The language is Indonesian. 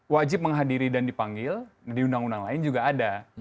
wajib menghadiri dan dipanggil di undang undang lain juga ada